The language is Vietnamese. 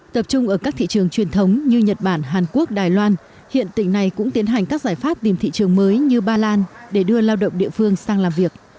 tập trung ở các thị trường truyền thống như nhật bản hàn quốc đài loan hiện tỉnh này cũng tiến hành các giải pháp tìm thị trường mới như ba lan để đưa lao động địa phương sang làm việc